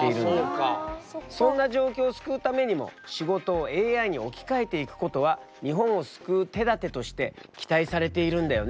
そんな状況を救うためにも仕事をＡＩに置き換えていくことは日本を救う手だてとして期待されているんだよね？